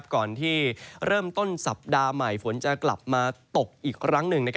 ก่อนที่เริ่มต้นสัปดาห์ใหม่ฝนจะกลับมาตกอีกครั้งหนึ่ง